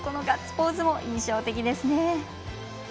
ガッツポーズも印象的ですね。